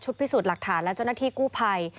พิสูจน์หลักฐานและเจ้าหน้าที่กู้ภัย